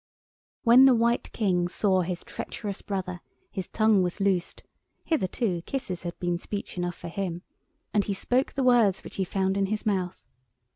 When the White King saw his treacherous brother his tongue was loosed—hitherto kisses had been speech enough for him—and he spoke the words which he found in his mouth.